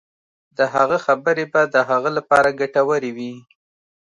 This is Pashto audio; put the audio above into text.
د هغه خبرې به د هغه لپاره ګټورې وي.